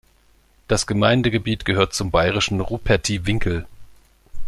Das Gemeindegebiet gehört zum bayerischen Rupertiwinkel.